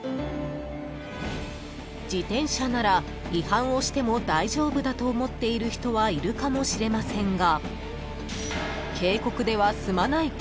［自転車なら違反をしても大丈夫だと思っている人はいるかもしれませんが］